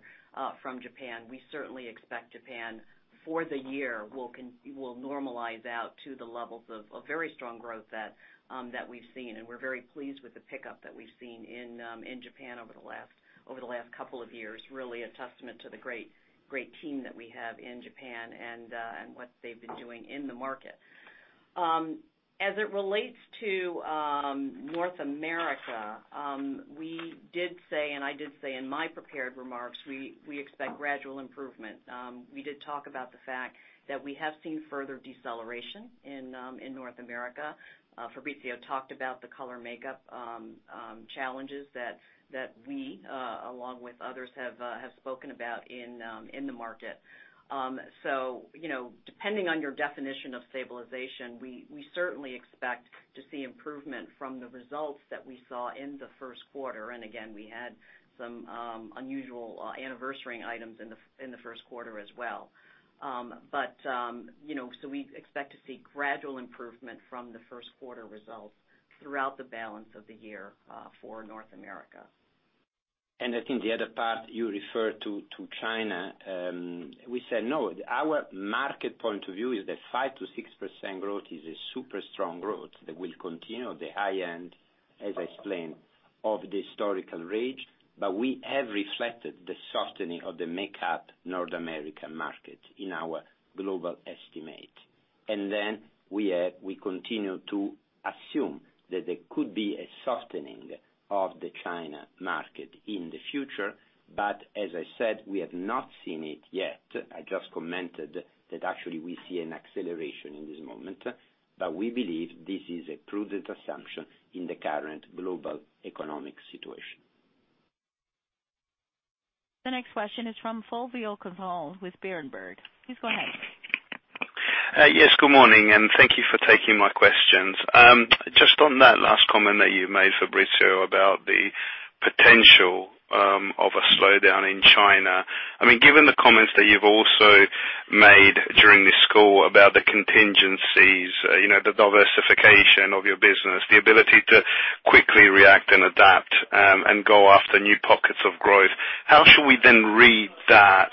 S4: from Japan, we certainly expect Japan, for the year, will normalize out to the levels of very strong growth that we've seen. We're very pleased with the pickup that we've seen in Japan over the last couple of years. Really a testament to the great team that we have in Japan and what they've been doing in the market. As it relates to North America, we did say, and I did say in my prepared remarks, we expect gradual improvement. We did talk about the fact that we have seen further deceleration in North America. Fabrizio talked about the color makeup challenges that we, along with others, have spoken about in the market. Depending on your definition of stabilization, we certainly expect to see improvement from the results that we saw in the first quarter. We had some unusual anniversarying items in the first quarter as well. We expect to see gradual improvement from the first quarter results throughout the balance of the year for North America.
S3: I think the other part you referred to China. We said, no, our market point of view is that 5%-6% growth is a super strong growth that will continue at the high end, as I explained, of the historical range. We have reflected the softening of the makeup North American market in our global estimate. We continue to assume that there could be a softening of the China market in the future. As I said, we have not seen it yet. I just commented that actually we see an acceleration in this moment. We believe this is a prudent assumption in the current global economic situation.
S1: The next question is from Fulvio Cavo with Berenberg. Please go ahead.
S12: Yes, good morning, and thank you for taking my questions. On that last comment that you made, Fabrizio, about the potential of a slowdown in China. Given the comments that you've also made during this call about the contingencies, the diversification of your business, the ability to quickly react and adapt, and go after new pockets of growth, how should we then read that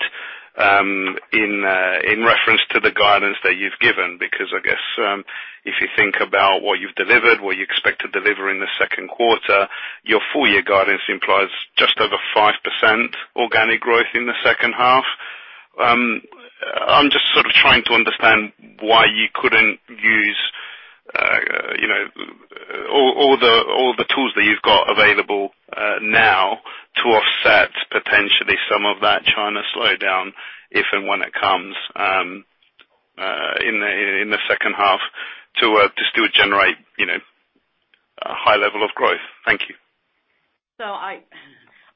S12: in reference to the guidance that you've given? I guess, if you think about what you've delivered, what you expect to deliver in the second quarter, your full year guidance implies just over 5% organic growth in the second half. I'm just sort of trying to understand why you couldn't use all the tools that you've got available now to offset potentially some of that China slowdown, if and when it comes in the second half, to still generate?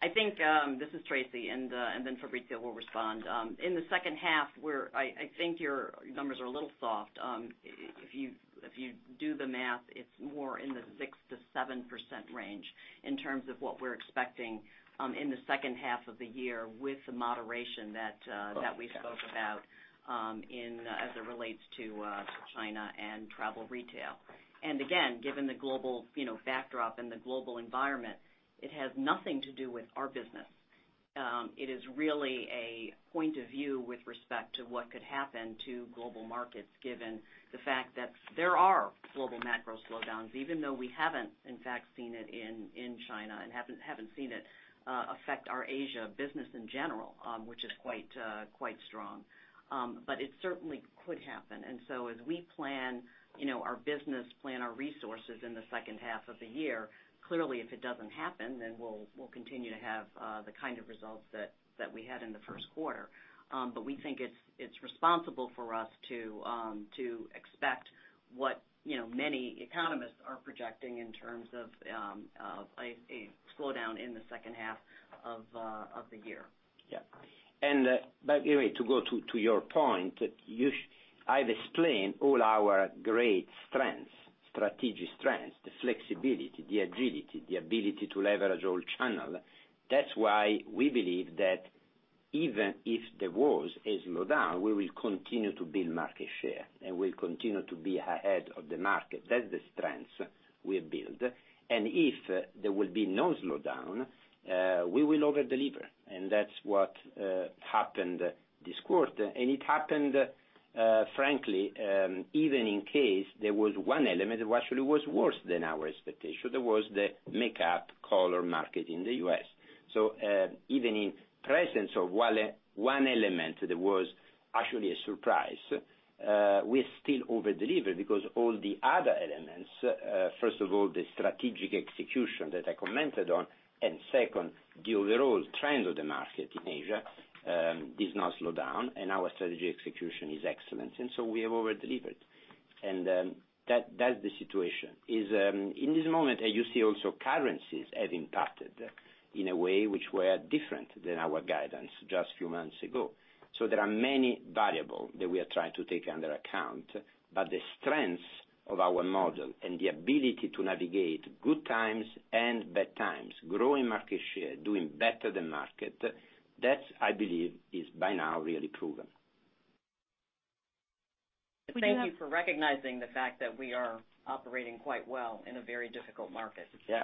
S4: I think, this is Tracey, and then Fabrizio will respond. In the second half, I think your numbers are a little soft. If you do the math, it's more in the 6%-7% range in terms of what we're expecting in the second half of the year with the moderation that we spoke about as it relates to China and travel retail. Given the global backdrop and the global environment, it has nothing to do with our business. It is really a point of view with respect to what could happen to global markets, given the fact that there are global macro slowdowns, even though we haven't, in fact, seen it in China and haven't seen it affect our Asia business in general, which is quite strong. It certainly could happen. As we plan our business, plan our resources in the second half of the year, clearly, if it doesn't happen, then we'll continue to have the kind of results that we had in the first quarter. We think it's responsible for us to expect what many economists are projecting in terms of a slowdown in the second half of the year.
S3: Anyway, to go to your point, I've explained all our great strengths, strategic strengths, the flexibility, the agility, the ability to leverage all channel. That's why we believe that even if there was a slowdown, we will continue to build market share and we'll continue to be ahead of the market. That's the strengths we have built. If there will be no slowdown, we will overdeliver. That's what happened this quarter. It happened, frankly, even in case there was one element that actually was worse than our expectation. There was the makeup color market in the U.S. Even in presence of one element that was actually a surprise, we still overdeliver because all the other elements, first of all, the strategic execution that I commented on, and second, the overall trend of the market in Asia did not slow down, and our strategy execution is excellent. We have overdelivered, and that's the situation. In this moment, you see also currencies have impacted in a way which were different than our guidance just few months ago. There are many variable that we are trying to take into account. The strength of our model and the ability to navigate good times and bad times, growing market share, doing better than market, that I believe is by now really proven.
S4: Thank you for recognizing the fact that we are operating quite well in a very difficult market.
S3: Yeah.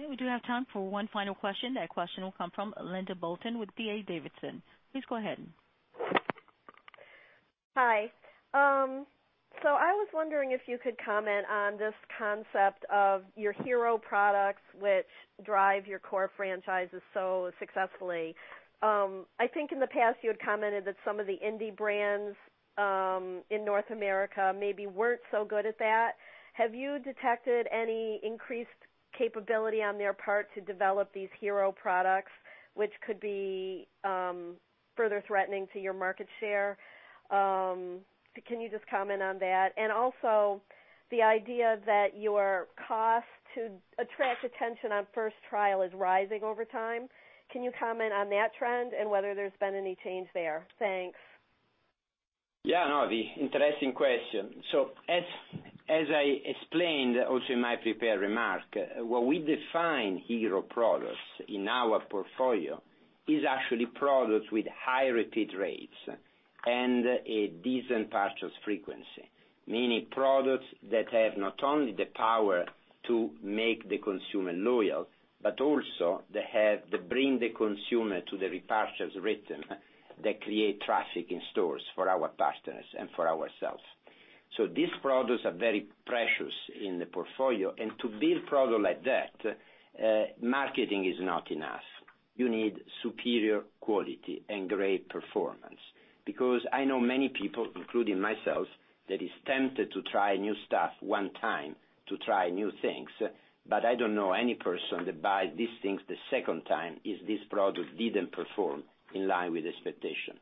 S1: Okay, we do have time for one final question. That question will come from Linda Bolton-Weiser with D.A. Davidson. Please go ahead.
S13: Hi. I was wondering if you could comment on this concept of your hero products which drive your core franchises so successfully. I think in the past you had commented that some of the indie brands in North America maybe weren't so good at that. Have you detected any increased capability on their part to develop these hero products, which could be further threatening to your market share? Can you just comment on that? Also, the idea that your cost to attract attention on first trial is rising over time, can you comment on that trend and whether there's been any change there? Thanks.
S3: Yeah. No, the interesting question. As I explained also in my prepared remark, what we define hero products in our portfolio is actually products with high repeat rates and a decent purchase frequency, meaning products that have not only the power to make the consumer loyal, but also they bring the consumer to the repurchase rhythm that create traffic in stores for our partners and for ourselves. These products are very precious in the portfolio. To build product like that, marketing is not enough. You need superior quality and great performance. I know many people, including myself, that is tempted to try new stuff one time to try new things. I don't know any person that buy these things the second time if this product didn't perform in line with expectation.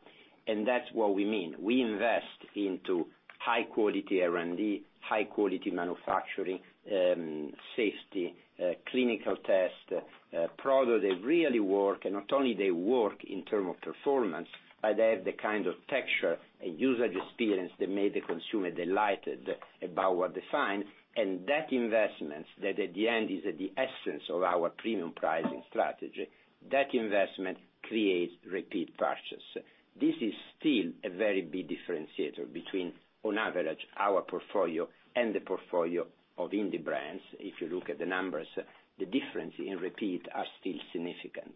S3: That's what we mean. We invest into high quality R&D, high quality manufacturing, safety, clinical test, product that really work. Not only they work in terms of performance, but they have the kind of texture and user experience that made the consumer delighted about what they find. That investment that at the end is at the essence of our premium pricing strategy, that investment creates repeat purchase. This is still a very big differentiator between, on average, our portfolio and the portfolio of indie brands. If you look at the numbers, the difference in repeat are still significant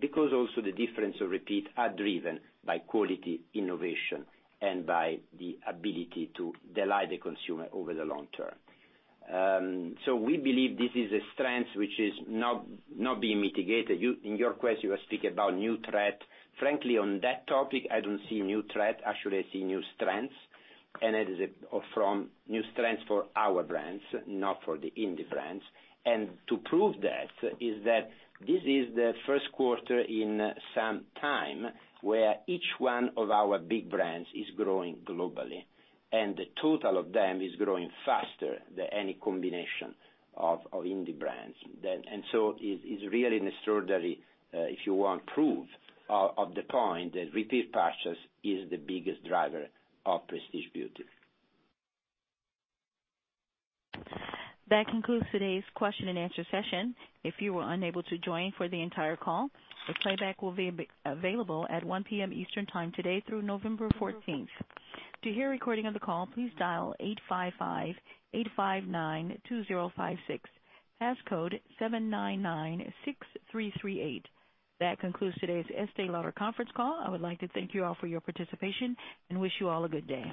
S3: because also the difference of repeat are driven by quality, innovation, and by the ability to delight the consumer over the long term. We believe this is a strength which is not being mitigated. In your question, you speak about new threat. Frankly, on that topic, I don't see new threat. Actually, I see new strengths, and that is from new strengths for our brands, not for the indie brands. To prove that is that this is the first quarter in some time where each one of our big brands is growing globally, and the total of them is growing faster than any combination of indie brands. It's really an extraordinary, if you want proof of the point that repeat purchase is the biggest driver of prestige beauty.
S1: That concludes today's question and answer session. If you were unable to join for the entire call, the playback will be available at 1:00 P.M. Eastern Time today through November 14th. To hear a recording of the call, please dial 855-859-2056, passcode 7996338. That concludes today's Estée Lauder conference call. I would like to thank you all for your participation and wish you all a good day.